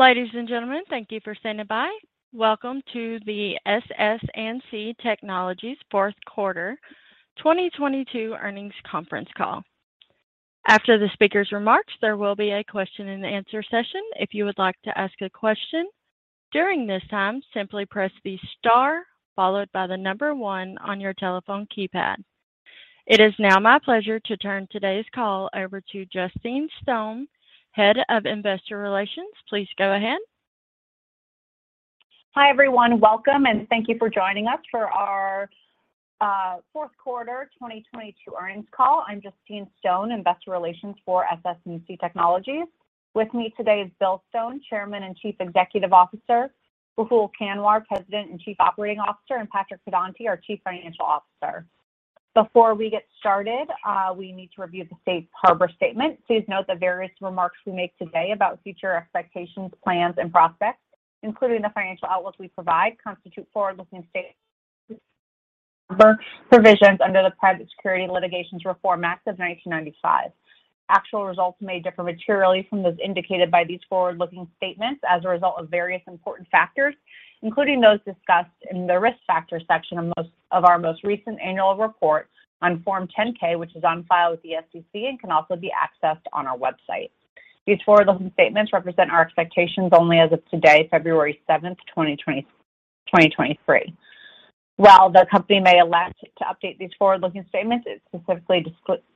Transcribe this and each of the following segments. Ladies and gentlemen, thank you for standing by. Welcome to the SS&C Technologies fourth quarter 2022 earnings conference call. After the speaker's remarks, there will be a question and answer session. If you would like to ask a question during this time, simply press the star followed by the number one on your telephone keypad. It is now my pleasure to turn today's call over to Justine Stone, Head of Investor Relations. Please go ahead. Hi, everyone. Welcome and thank you for joining us for our fourth quarter 2022 earnings call. I'm Justine Stone, Investor Relations for SS&C Technologies. With me today is Bill Stone, Chairman and Chief Executive Officer, Rahul Kanwar, President and Chief Operating Officer, and Patrick Pedonti, our Chief Financial Officer. Before we get started, we need to review the safe harbor statement. Please note that various remarks we make today about future expectations, plans and prospects, including the financial outlook we provide, constitute forward-looking statements provisions under the Private Securities Litigation Reform Act of 1995. Actual results may differ materially from those indicated by these forward-looking statements as a result of various important factors, including those discussed in the Risk Factors section of most, of our most recent annual report on Form 10-K, which is on file with the SEC and can also be accessed on our website. These forward-looking statements represent our expectations only as of today, February 7, 2020, 2023. While the Company may elect to update these forward-looking statements, it specifically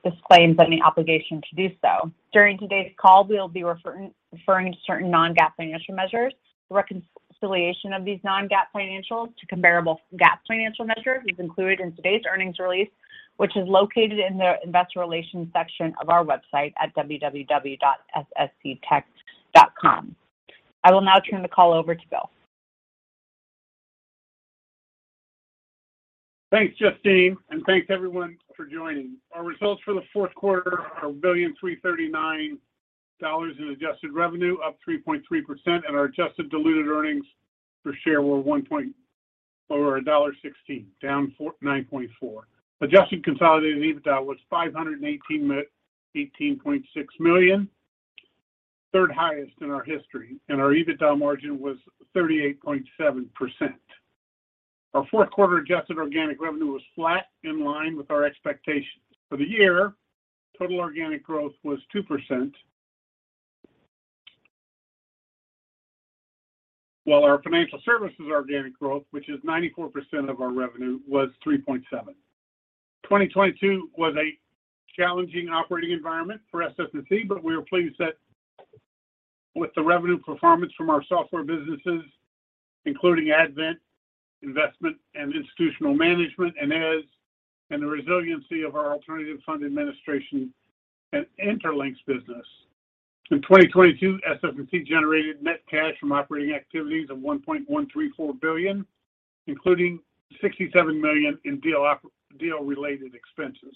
disclaims any obligation to do so. During today's call, we will be referring to certain non-GAAP financial measures. The reconciliation of these non-GAAP financials to comparable GAAP financial measures is included in today's earnings release, which is located in the Investor Relations section of our website at www.ssctech.com. I will now turn the call over to Bill. Thanks, Justine, and thanks everyone for joining. Our results for the fourth quarter are billion $339 in adjusted revenue, up 3.3%, and our adjusted diluted earnings per share were $1.16, down 49.4%. Adjusted consolidated EBITDA was $518.6 million, third highest in our history, and our EBITDA margin was 38.7%. Our fourth quarter adjusted organic revenue was flat, in line with our expectations. For the year, total organic growth was 2%. Our financial services organic growth, which is 94% of our revenue, was 3.7%. 2022 was a challenging operating environment for SS&C, we are pleased that with the revenue performance from our software businesses, including Advent, Investment and Institutional Management, and AIS, and the resiliency of our alternative fund administration and Intralinks business. In 2022, SS&C generated net cash from operating activities of $1.134 billion, including $67 million in deal related expenses.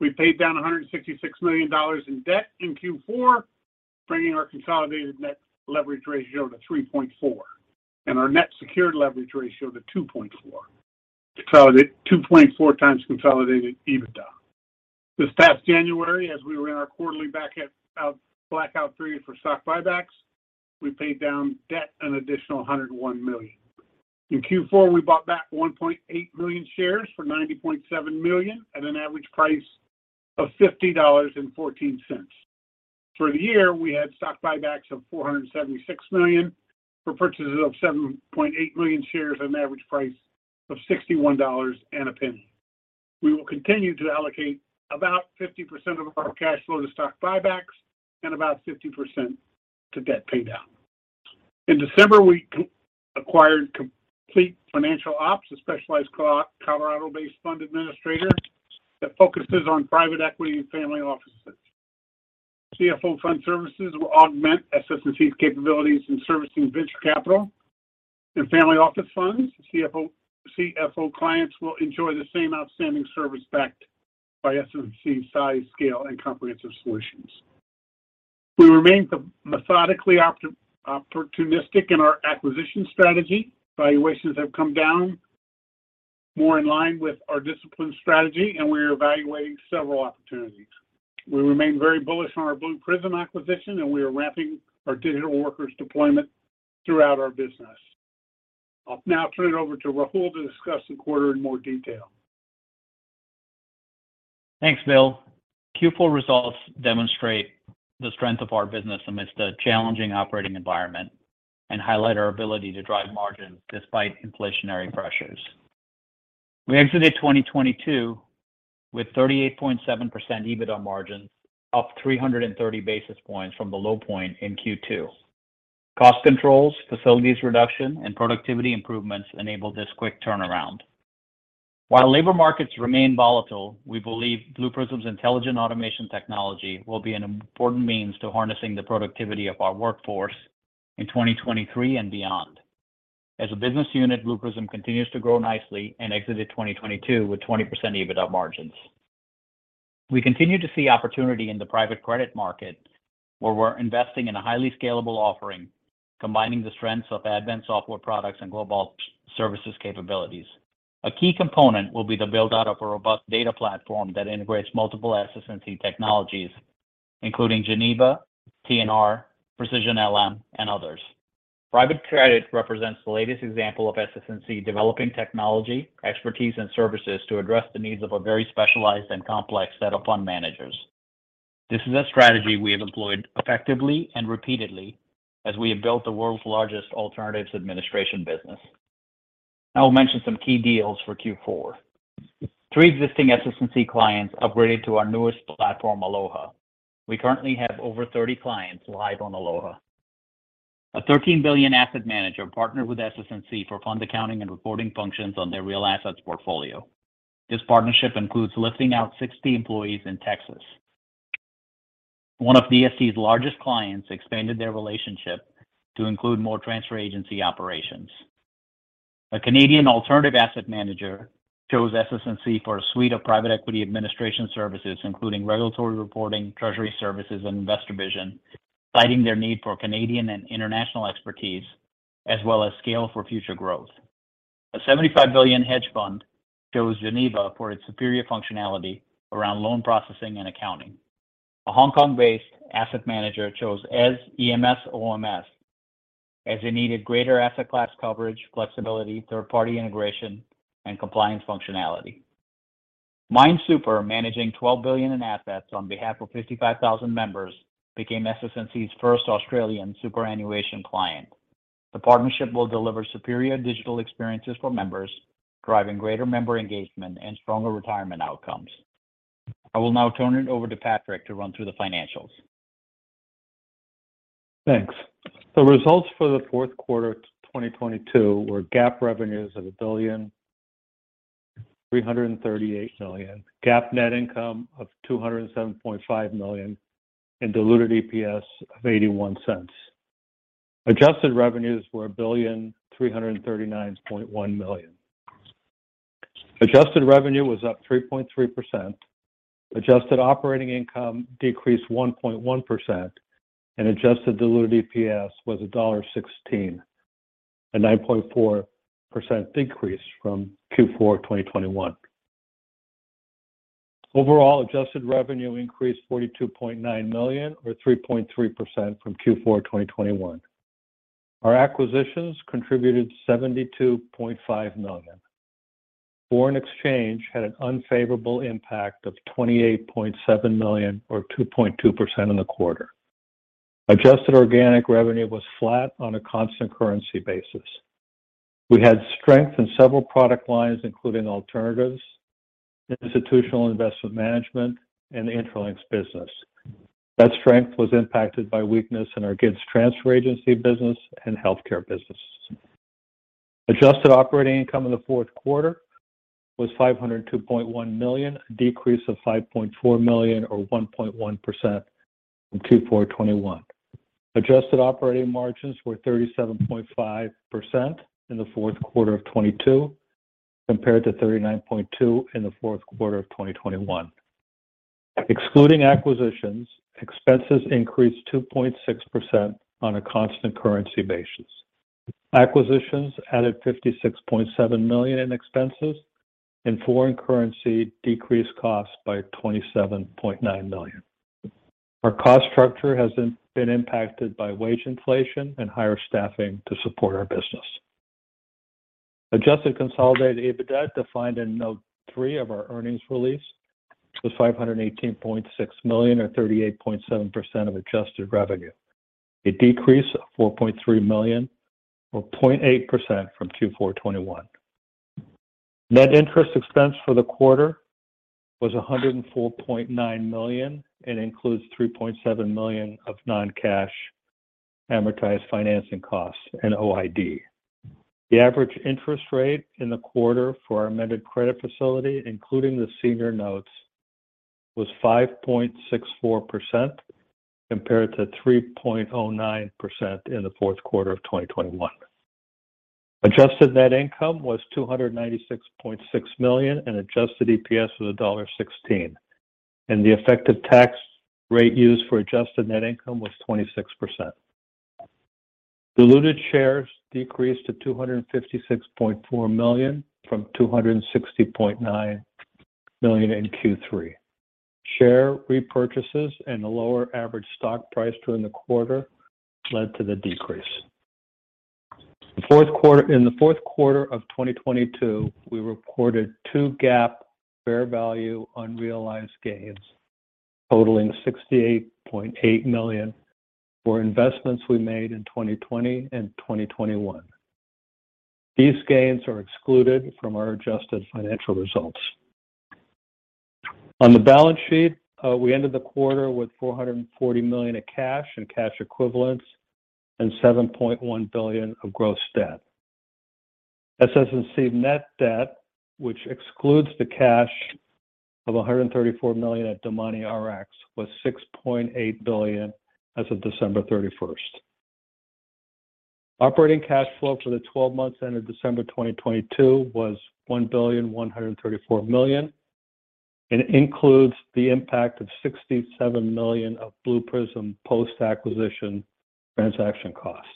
We paid down $166 million in debt in Q4, bringing our consolidated net leverage ratio to 3.4 and our net secured l everage ratio to 2.4. 2.4x consolidated EBITDA. This past January, as we were in our quarterly blackout period for stock buybacks, we paid down debt an additional $101 million. In Q4, we bought back 1.8 million shares for $90.7 million at an average price of $50.14. For the year, we had stock buybacks of $476 million for purchases of 7.8 million shares at an average price of $61.01. We will continue to allocate about 50% of our cash flow to stock buybacks and about 50% to debt pay down. In December, we acquired Complete Financial Ops, a specialized Colorado-based fund administrator that focuses on private equity and family offices. CFO Fund Services will augment SS&C's capabilities in servicing venture capital and family office funds. CFO clients will enjoy the same outstanding service backed by SS&C's size, scale, and comprehensive solutions. We remain methodically opportunistic in our acquisition strategy. Valuations have come down more in line with our discipline strategy, and we are evaluating several opportunities. We remain very bullish on our Blue Prism acquisition and we are ramping our digital workers deployment throughout our business. I'll now turn it over to Rahul to discuss the quarter in more detail. Thanks, Bill. Q4 results demonstrate the strength of our business amidst a challenging operating environment and highlight our ability to drive margin despite inflationary pressures. We exited 2022 with 38.7% EBITDA margins, up 330 basis points from the low point in Q2. Cost controls, facilities reduction, and productivity improvements enabled this quick turnaround. While labor markets remain volatile, we believe Blue Prism's intelligent automation technology will be an important means to harnessing the productivity of our workforce in 2023 and beyond. As a business unit, Blue Prism continues to grow nicely and exited 2022 with 20% EBITDA margins. We continue to see opportunity in the private credit market, where we're investing in a highly scalable offering, combining the strengths of Advent's software products and global services capabilities. A key component will be the build-out of a robust data platform that integrates multiple SS&C technologies, including Geneva, TNR, Precision LM, and others. Private credit represents the latest example of SS&C developing technology, expertise, and services to address the needs of a very specialized and complex set of fund managers. This is a strategy we have employed effectively and repeatedly as we have built the world's largest alternatives administration business. I will mention some key deals for Q4. Three existing SS&C clients upgraded to our newest platform, Aloha. We currently have over 30 clients live on Aloha. A $13 billion asset manager partnered with SS&C for fund accounting and reporting functions on their real assets portfolio. This partnership includes lifting out 60 employees in Texas. One of SS&C's largest clients expanded their relationship to include more transfer agency operations. A Canadian alternative asset manager chose SS&C for a suite of private equity administration services, including regulatory reporting, treasury services, and InvestorVision, citing their need for Canadian and international expertise, as well as scale for future growth. A $75 billion hedge fund chose Geneva for its superior functionality around loan processing and accounting. A Hong Kong-based asset manager chose Eze EMS OMS as it needed greater asset class coverage, flexibility, third-party integration, and compliance functionality. Mine Super, managing $12 billion in assets on behalf of 55,000 members, became SS&C's first Australian superannuation client. The partnership will deliver superior digital experiences for members, driving greater member engagement and stronger retirement outcomes. I will now turn it over to Patrick to run through the financials. Thanks. The results for the fourth quarter of 2022 were GAAP revenues of $1.338 billion, GAAP net income of $207.5 million, and diluted EPS of $0.81. Adjusted revenues were $1.3391 billion. Adjusted revenue was up 3.3%. Adjusted operating income decreased 1.1%, adjusted diluted EPS was $1.16, a 9.4% decrease from Q4 2021. Overall, adjusted revenue increased $42.9 million or 3.3% from Q4 2021. Our acquisitions contributed $72.5 million. Foreign exchange had an unfavorable impact of $28.7 million or 2.2% in the quarter. Adjusted organic revenue was flat on a constant currency basis. We had strength in several product lines, including alternatives, institutional investment management, and the Intralinks business. That strength was impacted by weakness in our GFTS transfer agency business and healthcare business. Adjusted operating income in the fourth quarter was $502.1 million, a decrease of $5.4 million or 1.1% from Q4 2021. Adjusted operating margins were 37.5% in the fourth quarter of 2022, compared to 39.2% in the fourth quarter of 2021. Excluding acquisitions, expenses increased 2.6% on a constant currency basis. Acquisitions added $56.7 million in expenses, and foreign currency decreased costs by $27.9 million. Our cost structure has been impacted by wage inflation and higher staffing to support our business. Adjusted consolidated EBITDA, defined in note three of our earnings release, was $518.6 million or 38.7% of adjusted revenue. It decreased $4.3 million or 0.8% from Q4 2021. Net interest expense for the quarter was $104.9 million and includes $3.7 million of non-cash amortized financing costs and OID. The average interest rate in the quarter for our amended credit facility, including the senior notes, was 5.64% compared to 3.09% in the fourth quarter of 2021. Adjusted net income was $296.6 million and adjusted EPS was $1.16, and the effective tax rate used for adjusted net income was 26%. Diluted shares decreased to 256.4 million from 260.9 million in Q3. Share repurchases and a lower average stock price during the quarter led to the decrease. In the fourth quarter of 2022, we reported two GAAP fair value unrealized gains totaling $68.8 million for investments we made in 2020 and 2021. These gains are excluded from our adjusted financial results. On the balance sheet, we ended the quarter with $440 million of cash and cash equivalents and $7.1 billion of gross debt. SS&C net debt, which excludes the cash of $134 million at DomaniRx, was $6.8 billion as of December 31st. Operating cash flow for the 12 months ended December 2022 was $1.134 billion. It includes the impact of $67 million of Blue Prism post-acquisition transaction costs.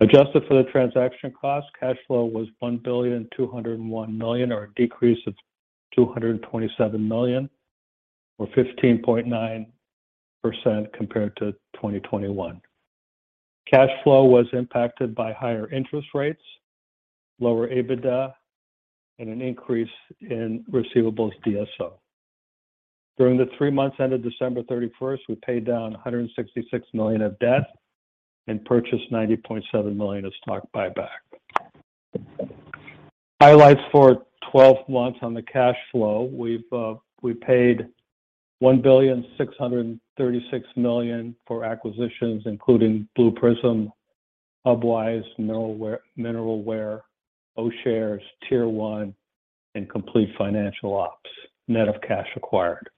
Adjusted for the transaction cost, cash flow was $1.201 billion or a decrease of $227 million or 15.9% compared to 2021. Cash flow was impacted by higher interest rates, lower EBITDA, and an increase in receivables DSO. During the 3 months ended December 31st, we paid down $166 million of debt and purchased $90.7 million of stock buyback. Highlights for 12 months on the cash flow. We paid $1.636 billion for acquisitions including Blue Prism, Hubwise, MineralWare, O'Shares, Tier1, and Complete Financial Ops, net of cash acquired.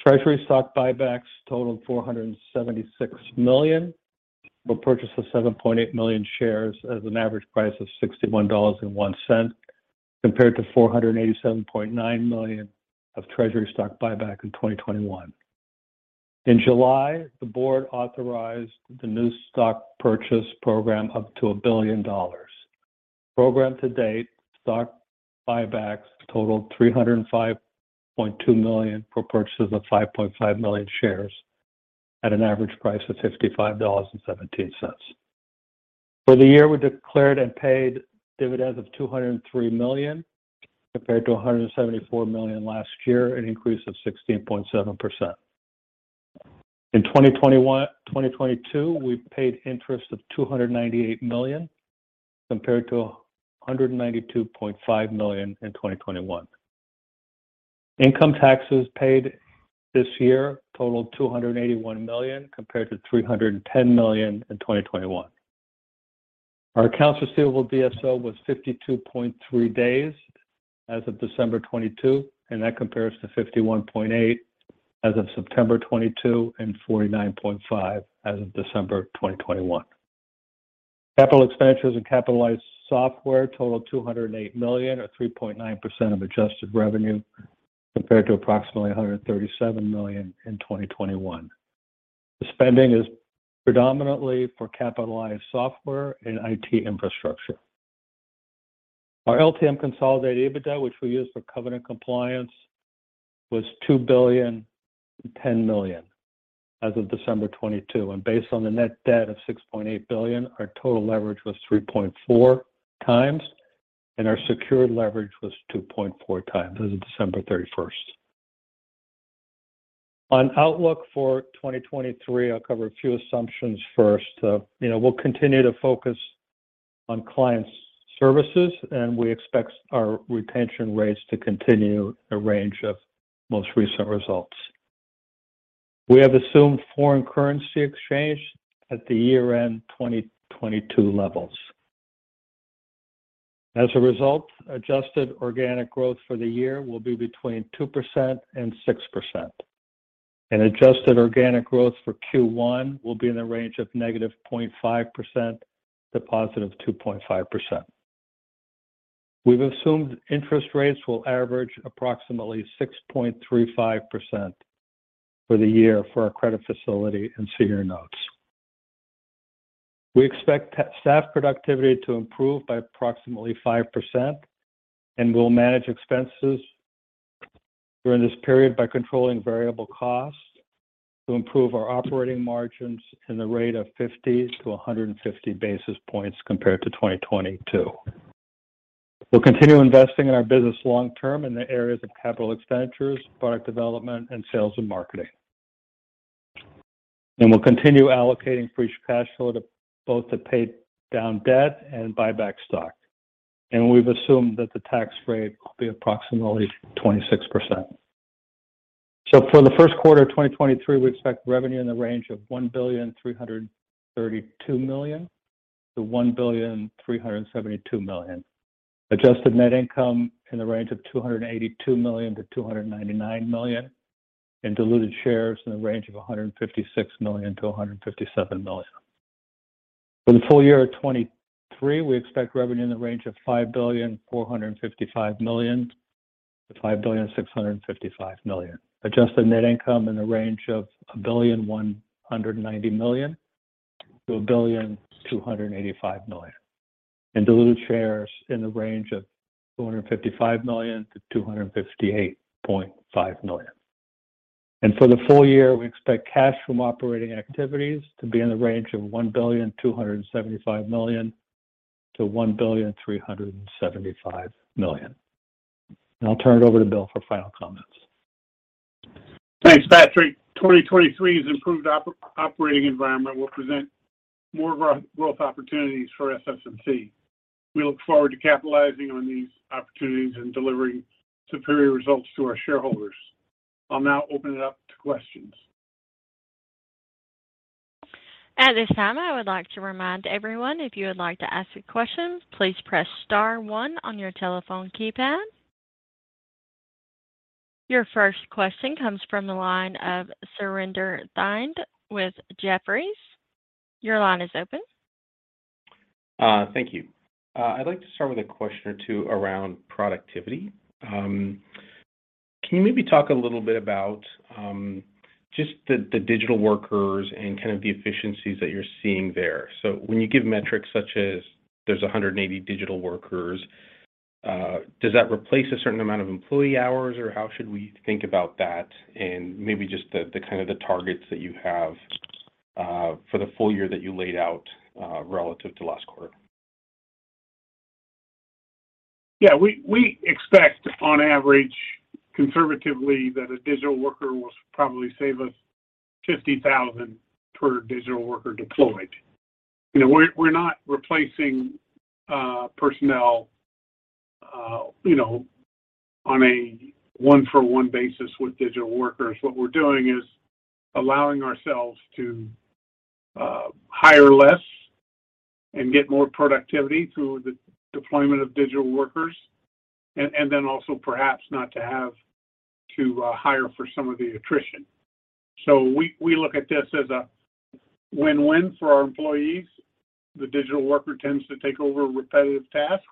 Treasury stock buybacks totaled $476 million. We purchased 7.8 million shares at an average price of $61.01, compared to $487.9 million of Treasury stock buyback in 2021. In July, the board authorized the new stock purchase program up to $1 billion. Program to date, stock buybacks totaled $305.2 million for purchases of 5.5 million shares at an average price of $55.17. For the year, we declared and paid dividends of $203 million, compared to $174 million last year, an increase of 16.7%. In 2022, we paid interest of $298 million, compared to $192.5 million in 2021. Income taxes paid this year totaled $281 million compared to $310 million in 2021. Our accounts receivable DSO was 52.3 days as of December 22, that compares to 51.8 as of September 22 and 49.5 as of December 2021. Capital expenditures and capitalized software totaled $208 million or 3.9% of adjusted revenue, compared to approximately $137 million in 2021. The spending is predominantly for capitalized software and IT infrastructure. Our LTM consolidated EBITDA, which we use for covenant compliance, was $2.01 billion as of December 22, based on the net debt of $6.8 billion, our total leverage was 3.4x, our secured leverage was 2.4x as of December 31st. On outlook for 2023, I'll cover a few assumptions first. We'll continue to focus on clients services. We expect our retention rates to continue a range of most recent results. We have assumed foreign currency exchange at the year-end 2022 levels. As a result, adjusted organic growth for the year will be between 2% and 6%. Adjusted organic growth for Q1 will be in the range of negative 0.5% to positive 2.5%. We've assumed interest rates will average approximately 6.35% for the year for our credit facility and senior notes. We expect staff productivity to improve by approximately 5%. We'll manage expenses during this period by controlling variable costs to improve our operating margins in the rate of 50 to 150 basis points compared to 2022. We'll continue investing in our business long term in the areas of capital expenditures, product development, and sales and marketing. We'll continue allocating free cash flow to both to pay down debt and buy back stock. We've assumed that the tax rate will be approximately 26%. For the first quarter of 2023, we expect revenue in the range of $1.332 billion-$1.372 billion. Adjusted net income in the range of $282 million-$299 million, diluted shares in the range of 156 million-157 million. For the full year of 2023, we expect revenue in the range of $5.455 billion-$5.655 billion. Adjusted net income in the range of $1.19 billion-$1.285 billion. Diluted shares in the range of 255 million-258.5 million. For the full year, we expect cash from operating activities to be in the range of $1.275 billion-$1.375 billion. I'll turn it over to Bill for final comments. Thanks, Patrick. 2023's improved operating environment will present more growth opportunities for SS&C. We look forward to capitalizing on these opportunities and delivering superior results to our shareholders. I'll now open it up to questions. At this time, I would like to remind everyone if you would like to ask a question, please press star one on your telephone keypad. Your first question comes from the line of Surinder Thind with Jefferies. Your line is open. Thank you. I'd like to start with a question or two around productivity. Can you maybe talk a little bit about just the digital workers and kind of the efficiencies that you're seeing there? When you give metrics such as there's 180 digital workers, does that replace a certain amount of employee hours or how should we think about that and maybe just the kind of the targets that you have for the full year that you laid out relative to last quarter? Yeah. We expect on average, conservatively, that a Digital Worker will probably save us $50,000 per Digital Worker deployed. We're not replacing personnel on a one-for-one basis with Digital Workers. What we're doing is allowing ourselves to hire less and get more productivity through the deployment of Digital Workers and then also perhaps not to have to hire for some of the attrition. We look at this as a win-win for our employees. The Digital Worker tends to take over repetitive tasks,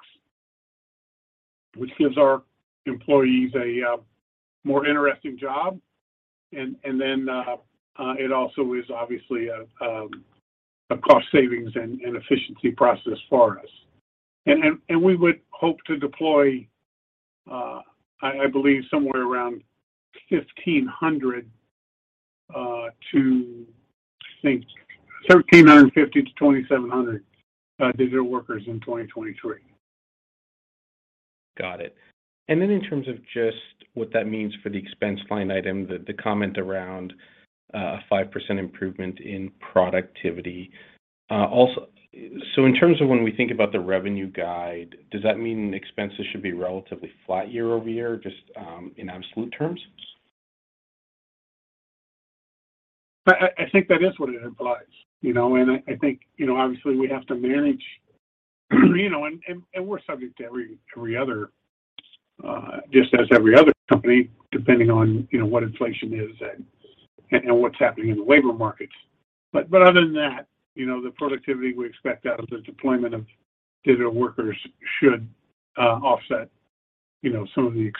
which gives our employees a more interesting job. Then it also is obviously a cost savings and efficiency process for us. We would hope to deploy I believe somewhere around 1,500 to... I think 1,350-2,700 digital workers in 2023. Got it. Then in terms of just what that means for the expense line item, the comment around 5% improvement in productivity, in terms of when we think about the revenue guide, does that mean expenses should be relatively flat year-over-year just in absolute terms? I think that is what it implies. I think obviously we have to manage and we're subject to every other, just as every other company, depending on what inflation is and what's happening in the labor markets. Other than that the productivity we expect out of the deployment of digital workers should offset some of the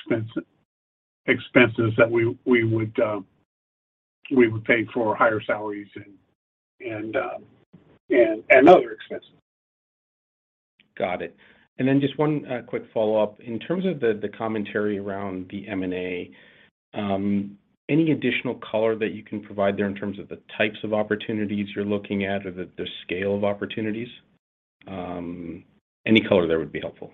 expenses that we would pay for higher salaries and other expenses. Got it. Then just one quick follow-up. In terms of the commentary around the M&A, any additional color that you can provide there in terms of the types of opportunities you're looking at or the scale of opportunities? Any color there would be helpful.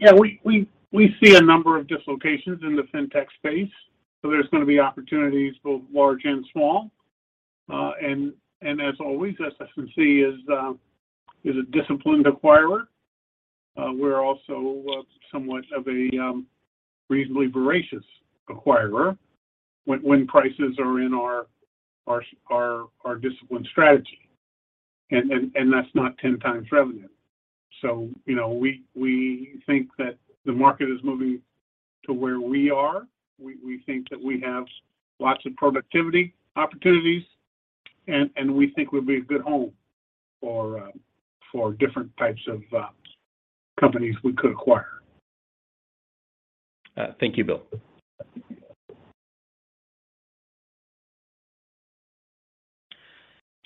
Yeah, we see a number of dislocations in the fintech space, so there's gonna be opportunities both large and small. And as always, SS&C is a disciplined acquirer. We're also somewhat of a reasonably voracious acquirer when prices are in our disciplined strategy, and that's not 10x revenue. We think that the market is moving to where we are. We think that we have lots of productivity opportunities, and we think we'd be a good home for different types of companies we could acquire. Thank you, Bill.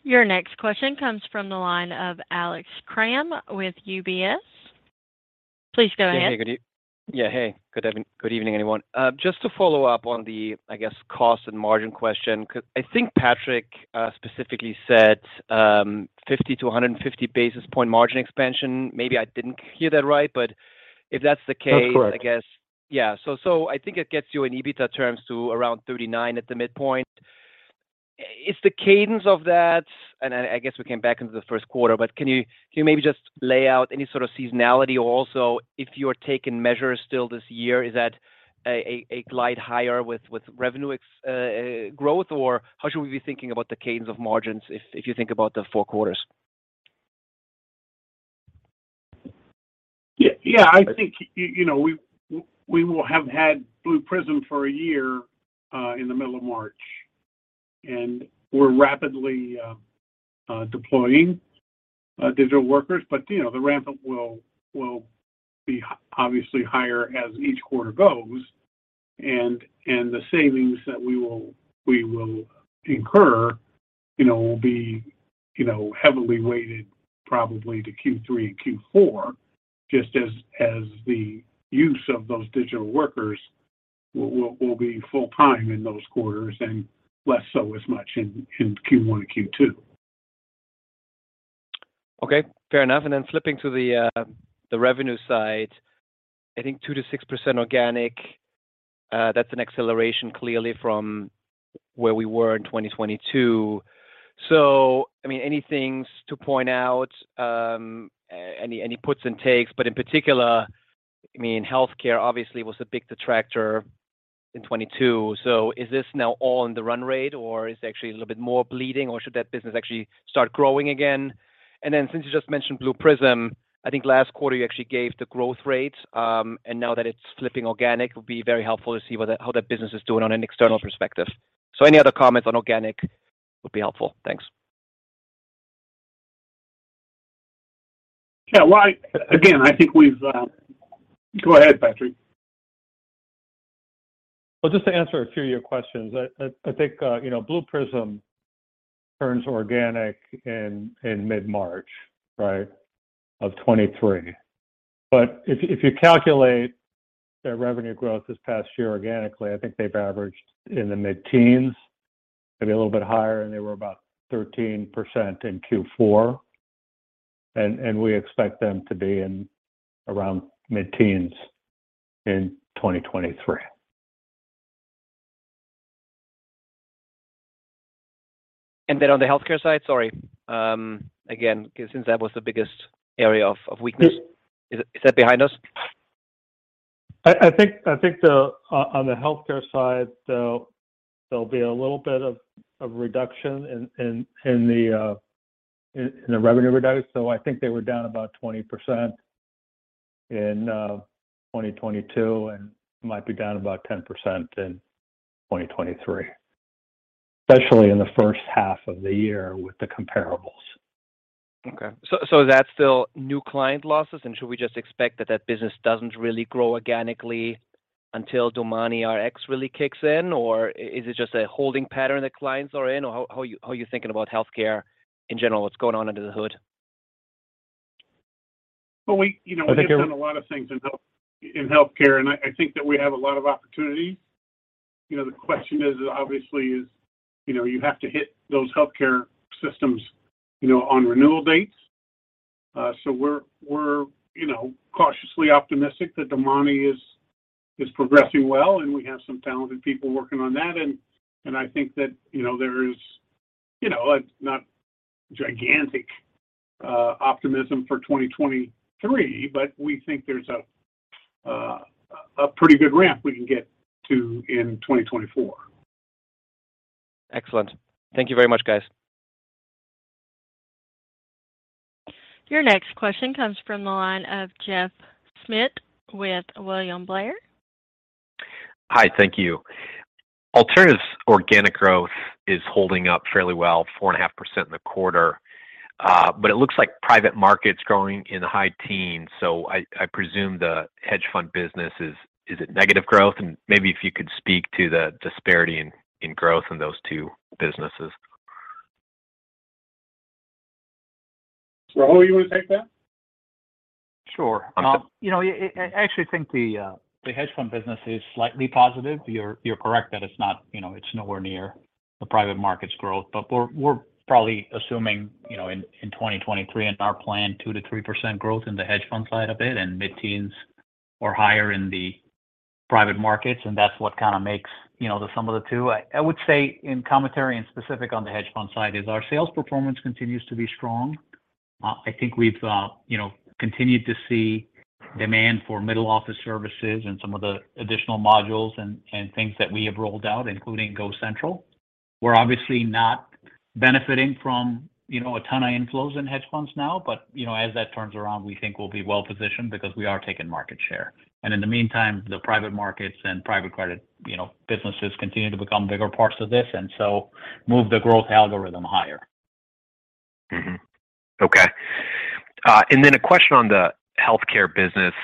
Your next question comes from the line of Alex Kramm with UBS. Please go ahead. Hey, good evening, everyone. Just to follow up on the, I guess, cost and margin question, 'cause I think Patrick specifically said, 50-150 basis point margin expansion. Maybe I didn't hear that right, but if that's the case. That's correct. I guess. Yeah. I think it gets you in EBITDA terms to around 39 at the midpoint. Is the cadence of that? I guess we came back into the first quarter, but can you maybe just lay out any sort of seasonality? Also, if you are taking measures still this year, is that a glide higher with revenue ex-growth? How should we be thinking about the cadence of margins if you think about the four quarters? Yeah. Yeah. I think, we will have had Blue Prism for one year, in the middle of March, and we're rapidly, deploying, digital workers. The ramp-up will be obviously higher as each quarter goes and the savings that we will incur will be heavily weighted probably to Q3 and Q4, just as the use of those digital workers will be full time in those quarters and less so as much in Q1 and Q2. Okay. Fair enough. Flipping to the revenue side, I think 2%-6% organic, that's an acceleration clearly from where we were in 2022. I mean, any things to point out, any puts and takes? In particular, I mean, healthcare obviously was a big detractor in 2022. Is this now all in the run rate, or is it actually a little bit more bleeding, or should that business actually start growing again? Since you just mentioned Blue Prism, I think last quarter you actually gave the growth rate, and now that it's flipping organic, it would be very helpful to see how that business is doing on an external perspective. Any other comments on organic would be helpful. Thanks. Well, I, again, I think we've, Go ahead, Patrick. Well, just to answer a few of your questions. I think Blue Prism turns organic in mid-March, right, of 2023. If you calculate their revenue growth this past year organically, I think they've averaged in the mid-teens, maybe a little bit higher, and they were about 13% in Q4. We expect them to be in around mid-teens in 2023. Then on the healthcare side, sorry, again, because since that was the biggest area of weakness. Is that behind us? I think the on the healthcare side, there'll be a little bit of reduction in the revenue reduction. I think they were down about 20% in 2022, and might be down about 10% in 2023, especially in the first half of the year with the comparables. Okay. That's still new client losses, and should we just expect that that business doesn't really grow organically until DomaniRx really kicks in, or is it just a holding pattern that clients are in? How are you thinking about healthcare in general? What's going on under the hood? Well, we, you know. I think they're. We've done a lot of things in health, in healthcare, and I think that we have a lot of opportunity. You know, the question is obviously is you have to hit those healthcare systems on renewal dates. We're cautiously optimistic that Domani is progressing well, and we have some talented people working on that. I think that there is it's not gigantic optimism for 2023, but we think there's a pretty good ramp we can get to in 2024. Excellent. Thank you very much, guys. Your next question comes from the line of Jeff Schmitt with William Blair. Hi, thank you. Alternatives organic growth is holding up fairly well, 4.5% in the quarter. It looks like private market's growing in the high teens. I presume the hedge fund business is... Is it negative growth? Maybe if you could speak to the disparity in growth in those two businesses. Rahul, you wanna take that? Sure. I actually think the hedge fund business is slightly positive. You're, you're correct that it's not it's nowhere near the private markets growth. We're, we're probably assuming in 2023, in our plan, 2%-3% growth in the hedge fund side of it and mid-teens or higher in the private markets, and that's what kind of makes, you know, the sum of the two. I would say in commentary and specific on the hedge fund side is our sales performance continues to be strong. I think we've, you know, continued to see demand for middle office services and some of the additional modules and things that we have rolled out, including GoCentral. We're obviously not benefiting from, you know, a ton of inflows in hedge funds now, but, you know, as that turns around, we think we'll be well positioned because we are taking market share. In the meantime, the private markets and private credit, you know, businesses continue to become bigger parts of this and so move the growth algorithm higher. Okay. A question on the healthcare business.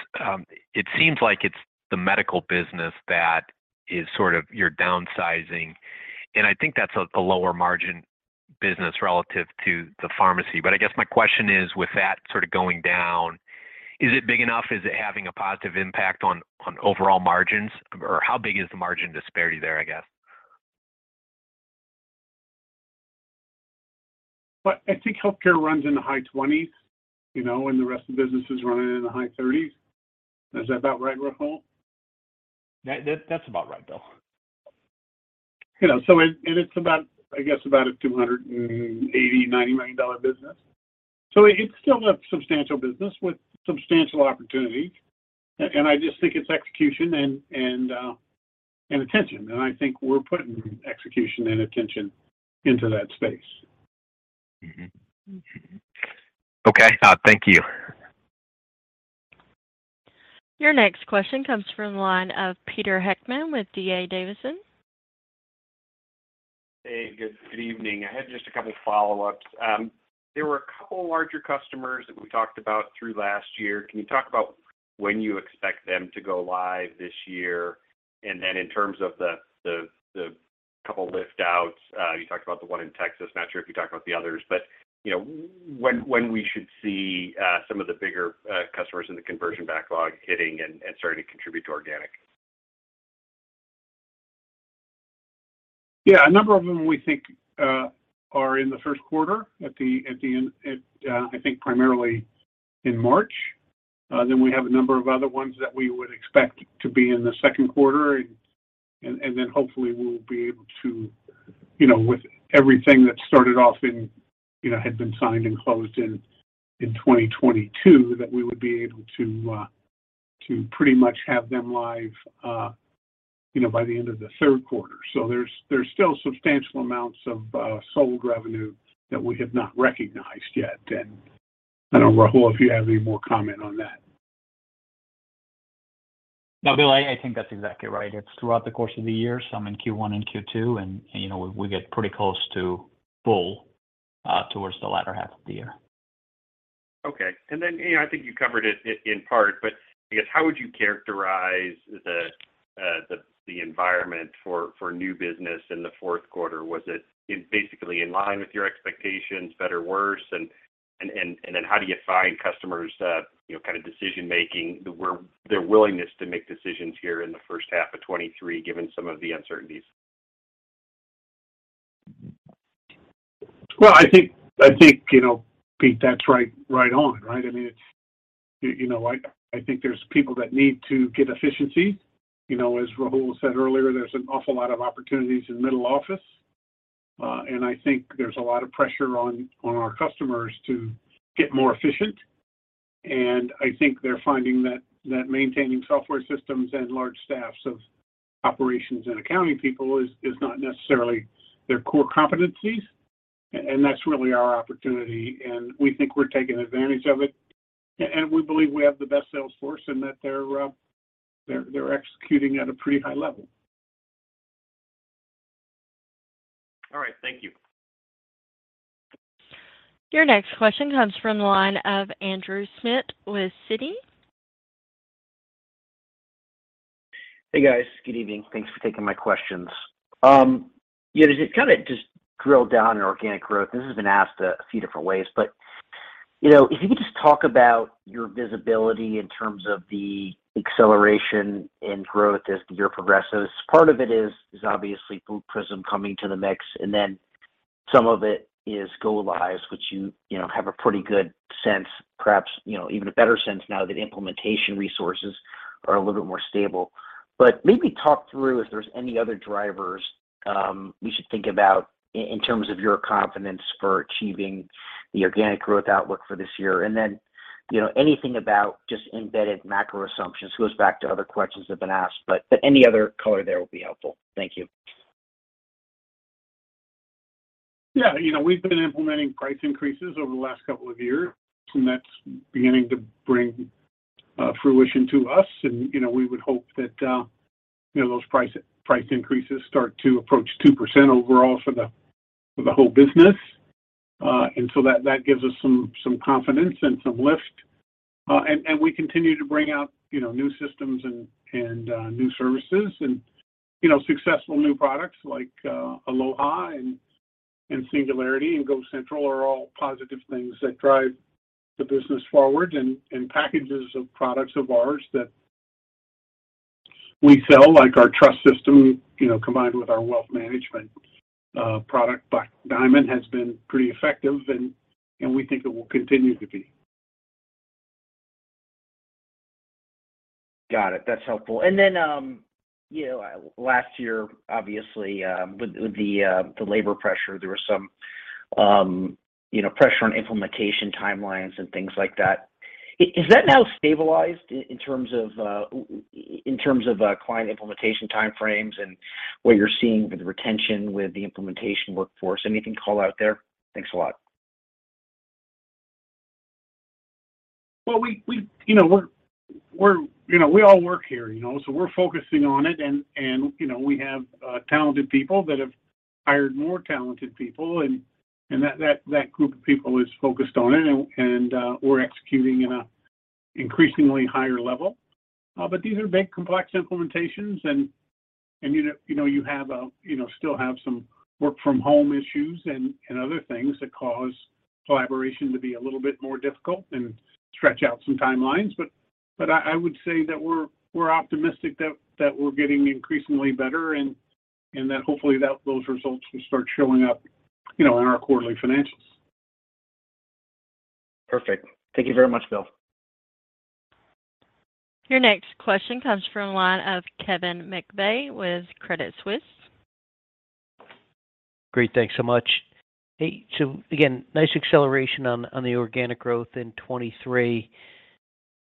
It seems like it's the medical business that is sort of you're downsizing, I think that's a lower margin business relative to the pharmacy. I guess my question is, with that sort of going down, is it big enough? Is it having a positive impact on overall margins? How big is the margin disparity there, I guess? Well, I think healthcare runs in the high 20s%, you know, and the rest of the business is running in the high 30s%. Is that about right, Rahul? That's about right, Bill. You know, it's about, I guess, about a $280 million-$290 million business. It's still a substantial business with substantial opportunity, and I just think it's execution and attention. I think we're putting execution and attention into that space. Mm-hmm Okay. Thank you. Your next question comes from the line of Peter Heckmann with D.A. Davidson. Hey, good evening. I had just a couple follow-ups. There were a couple larger customers that we talked about through last year. Can you talk about when you expect them to go live this year? Then in terms of the couple lift outs, you talked about the one in Texas. Not sure if you talked about the others. You know, when we should see some of the bigger customers in the conversion backlog hitting and starting to contribute to organic? Yeah. A number of them we think are in the first quarter at the end, I think primarily in March. Then we have a number of other ones that we would expect to be in the second quarter. Hopefully we'll be able to, you know, with everything that started off in, you know, had been signed and closed in 2022, that we would be able to pretty much have them live, you know, by the end of the third quarter. There's still substantial amounts of sold revenue that we have not recognized yet. I don't know, Rahul, if you have any more comment on that. No, Bill, I think that's exactly right. It's throughout the course of the year, some in Q1 and Q2, and, you know, we get pretty close to full towards the latter half of the year. Okay. you know, I think you covered it in part, I guess how would you characterize the environment for new business in the fourth quarter? Was it basically in line with your expectations, better, worse? how do you find customers', you know, kind of decision-making, their willingness to make decisions here in the first half of 2023, given some of the uncertainties? Well, I think, you know, Pete, that's right on, right? I mean, it's. You know, I think there's people that need to get efficiency. You know, as Rahul said earlier, there's an awful lot of opportunities in middle office. I think there's a lot of pressure on our customers to get more efficient. I think they're finding that maintaining software systems and large staffs of operations and accounting people is not necessarily their core competencies. That's really our opportunity, and we think we're taking advantage of it. We believe we have the best sales force and that they're executing at a pretty high level. All right. Thank you. Your next question comes from the line of Andrew Schmidt with Citi. Hey, guys. Good evening. Thanks for taking my questions. Yeah, just to kinda just drill down on organic growth, this has been asked a few different ways, but, you know, if you could just talk about your visibility in terms of the acceleration in growth as the year progresses. Part of it is obviously Blue Prism coming to the mix, and then some of it is go-lives, which you know, have a pretty good sense, perhaps, you know, even a better sense now that implementation resources are a little bit more stable. But maybe talk through if there's any other drivers, we should think about in terms of your confidence for achieving the organic growth outlook for this year. Then, you know, anything about just embedded macro assumptions. This goes back to other questions that have been asked, but any other color there will be helpful. Thank you. Yeah. You know, we've been implementing price increases over the last couple of years, and that's beginning to bring fruition to us. You know, we would hope that, you know, those price increases start to approach 2% overall for the whole business. That gives us some confidence and some lift. We continue to bring out, you know, new systems and new services and, you know, successful new products like Aloha and Singularity and GoCentral are all positive things that drive the business forward. Packages of products of ours that we sell, like our trust system, you know, combined with our wealth management product, Black Diamond, has been pretty effective and we think it will continue to be. Got it. That's helpful. Then, last year, obviously, with the labor pressure, there was some pressure on implementation timelines and things like that. Is that now stabilized in terms of client implementation time frames and what you're seeing with retention with the implementation workforce? Anything to call out there? Thanks a lot. Well, we, you know, we're, you know, we all work here, you know, so we're focusing on it and, you know, we have talented people that have hired more talented people and that group of people is focused on it and, we're executing at a increasingly higher level. These are big, complex implementations and, you know, you have a still have some work from home issues and other things that cause collaboration to be a little bit more difficult and stretch out some timelines. I would say that we're optimistic that we're getting increasingly better and that hopefully those results will start showing up, you know, in our quarterly financials. Perfect. Thank you very much, Bill. Your next question comes from the line of Kevin McVeigh with Credit Suisse. Great. Thanks so much. Again, nice acceleration on the organic growth in 23.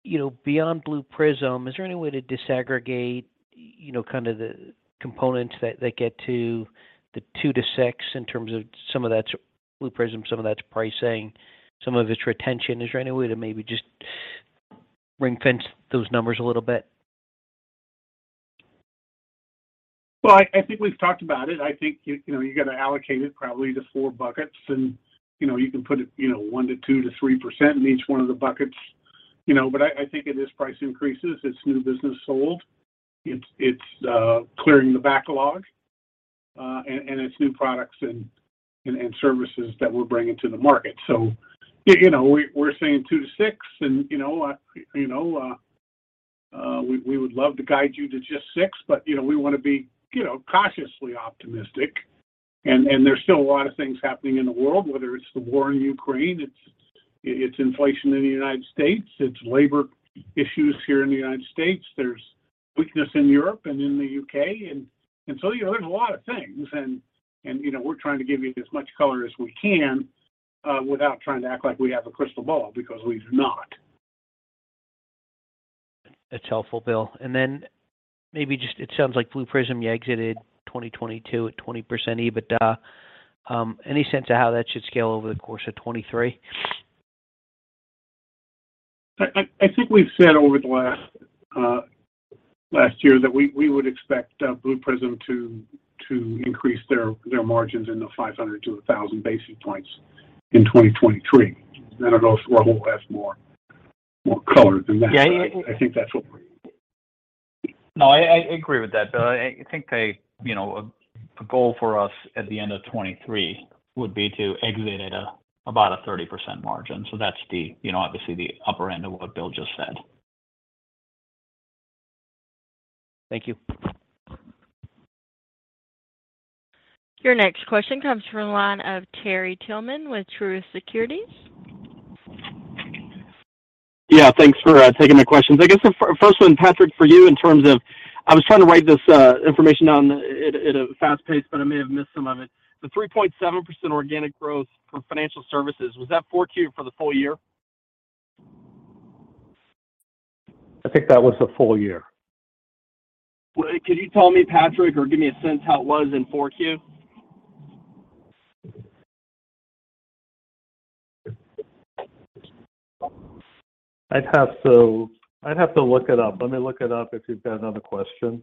You know, beyond Blue Prism, is there any way to disaggregate, you know, kind of the components that get to the 2%-6% in terms of some of that's Blue Prism, some of that's pricing, some of it's retention? Is there any way to maybe just ring-fence those numbers a little bit? Well, I think we've talked about it. I think you got to allocate it probably to four buckets and you can put it 1%-2%-3% in each one of the buckets, I think it is price increases, it's new business sold, it's clearing the backlog, and it's new products and services that we're bringing to the market. You know, we're saying 2% to 6% and we would love to guide you to just 6%, but, you know, we wanna be, you know, cautiously optimistic. There's still a lot of things happening in the world, whether it's the war in Ukraine, it's inflation in the United States, it's labor issues here in the United States. There's weakness in Europe and in the U.K. you know, there's a lot of things and, you know, we're trying to give you as much color as we can, without trying to act like we have a crystal ball because we do not. That's helpful, Bill. Maybe just it sounds like Blue Prism, you exited 2022 at 20% EBITDA. Any sense of how that should scale over the course of 2023? I think we've said over the last last year that we would expect Blue Prism to increase their margins in the 500-1,000 basis points in 2023. I don't know if Rahul has more color than that. Yeah, yeah. I think that's all. No, I agree with that, Bill. I think they, a goal for us at the end of 2023 would be to exit at about a 30% margin. That's obviously the upper end of what Bill just said. Thank you. Your next question comes from the line of Terry Tillman with Truist Securities. Yeah. Thanks for taking the questions. I guess the first one, Patrick, for you in terms of... I was trying to write this information down at a fast pace, but I may have missed some of it. The 3.7% organic growth for financial services, was that 4Q for the full year? I think that was the full year. Well, could you tell me, Patrick, or give me a sense how it was in 4Q? I'd have to look it up. Let me look it up if you've got another question.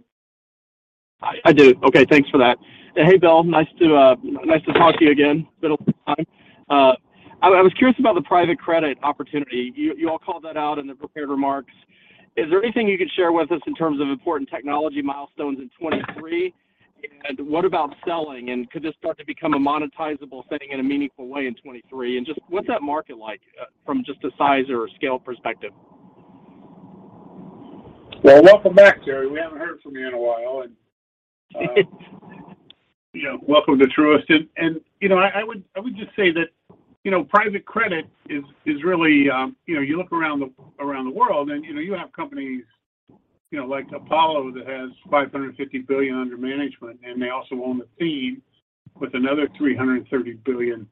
I do. Okay, thanks for that. Hey, Bill. Nice to talk to you again. Been a long time. I was curious about the private credit opportunity. You all called that out in the prepared remarks. Is there anything you can share with us in terms of important technology milestones in 23? What about selling, and could this start to become a monetizable thing in a meaningful way in 23? Just what's that market like from just a size or a scale perspective? Well, welcome back, Terry. We haven't heard from you in a while. Yeah, welcome to Truist. I would just say that private credit is really you look around the world and you have companies like Apollo Global Management that has $550 billion under management, and they also own Athene with another $330 billion.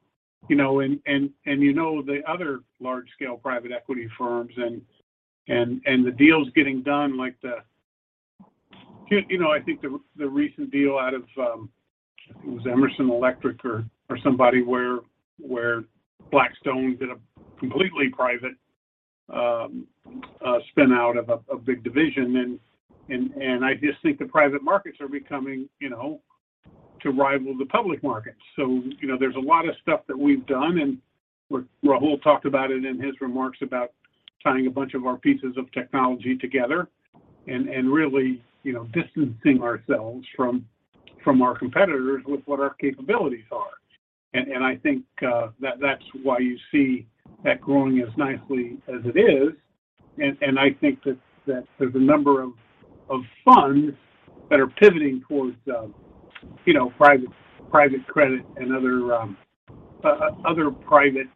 The other large scale private equity firms and the deals getting done like the, I think the recent deal out of, it was Emerson Electric or somebody where Blackstone did a completely private spin out of a big division. I just think the private markets are becoming to rival the public markets. THere's a lot of stuff that we've done, and Rahul talked about it in his remarks about tying a bunch of our pieces of technology together and really distancing ourselves from our competitors with what our capabilities are. I think that's why you see that growing as nicely as it is. I think that there's a number of funds that are pivoting towards private credit and other private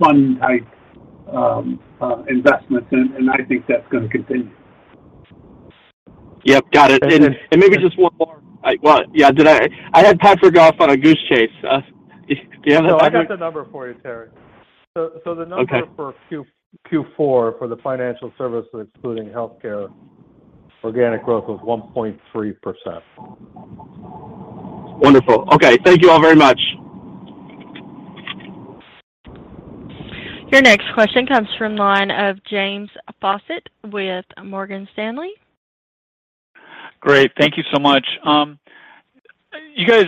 fund type investments. I think that's gonna continue. Yep, got it. Maybe just one more. Well, yeah, I had Patrick off on a goose chase. Do you have the? No, I got the number for you, Terry. Okay. The number for Q4 for the financial services, excluding healthcare, organic growth was 1.3%. Wonderful. Okay, thank you all very much. Your next question comes from line of James Faucette with Morgan Stanley. Great. Thank you so much. You guys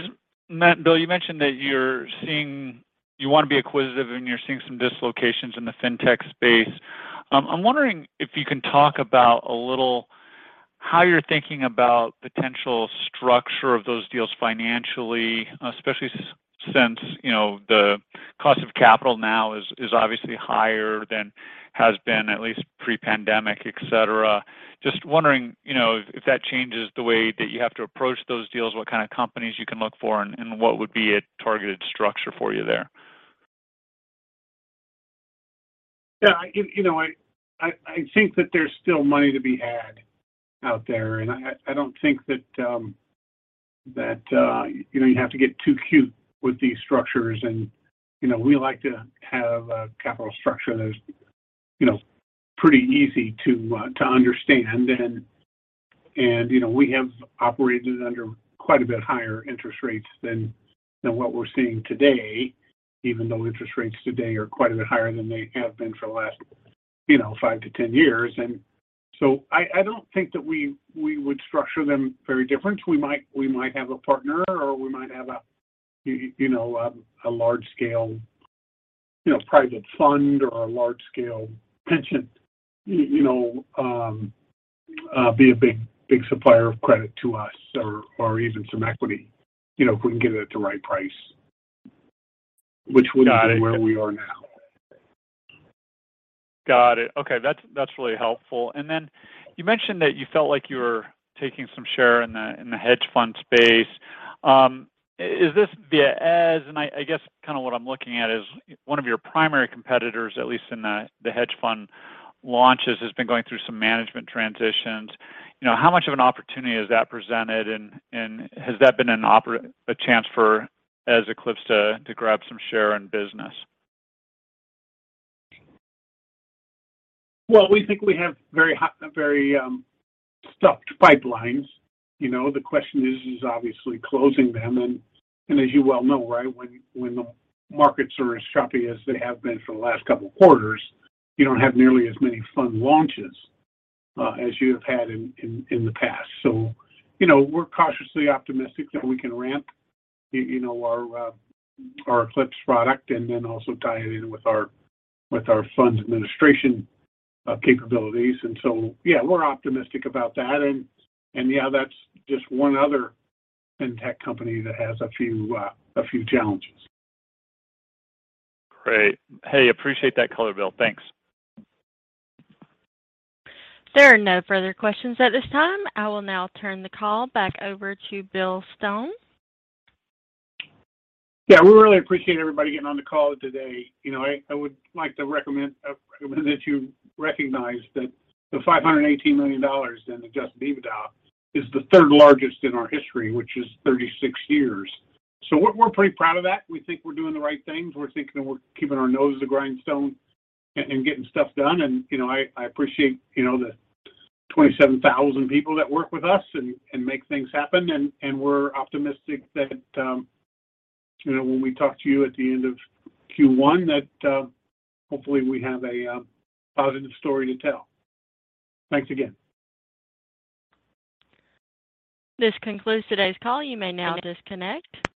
Matt and Bill, you mentioned that you want to be acquisitive, and you're seeing some dislocations in the fintech space. I'm wondering if you can talk about a little how you're thinking about potential structure of those deals financially, especially since the cost of capital now is obviously higher than has been at least pre-pandemic, et cetera. Just wondering if that changes the way that you have to approach those deals, what kind of companies you can look for, and what would be a targeted structure for you there. Yeah, I think that there's still money to be had out there. I don't think that you have to get too cute with these structures and we like to have a capital structure that's pretty easy to understand. We have operated under quite a bit higher interest rates than what we're seeing today, even though interest rates today are quite a bit higher than they have been for the last 5-10 years. So I don't think that we would structure them very different. We might have a partner or we might have a large scale private fund or a large scale pension be a big supplier of credit to us or even some equity if we can get it at the right price. Got it. Which wouldn't be where we are now. Got it. Okay, that's really helpful. Then you mentioned that you felt like you were taking some share in the hedge fund space. Is this via as, and I guess kinda what I'm looking at is one of your primary competitors, at least in the hedge fund launches, has been going through some management transitions. How much of an opportunity has that presented, and has that been a chance for Eze Eclipse to grab some share and business? We think we have very hot, very stuffed pipelines. The question is obviously closing them. As you well know, right, when the markets are as choppy as they have been for the last couple of quarters, you don't have nearly as many fund launches as you have had in the past. We're cautiously optimistic that we can ramp our Eclipse product and then also tie it in with our funds administration capabilities. Yeah, we're optimistic about that. Yeah, that's just one other fintech company that has a few challenges. Great. Hey, appreciate that color, Bill. Thanks. There are no further questions at this time. I will now turn the call back over to Bill Stone. Yeah. We really appreciate everybody getting on the call today. I would like to recommend that you recognize that the $580 million in adjusted EBITDA is the third largest in our history, which is 36 years. We're pretty proud of that. We think we're doing the right things. We're thinking we're keeping our nose to the grindstone and getting stuff done. I appreciate the 27,000 people that work with us and make things happen. We're optimistic that when we talk to you at the end of Q1, that hopefully we have a positive story to tell. Thanks again. This concludes today's call. You may now disconnect.